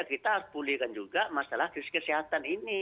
kita harus pulihkan juga masalah krisis kesehatan ini